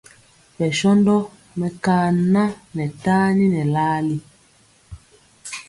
Bɛshóndo mekaŋan ŋɛ tani ŋɛ larli.